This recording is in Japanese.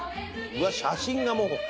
うわ写真がもう。